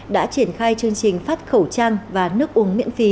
đã triển khai chương trình phát khẩu trang và nước uống miễn phí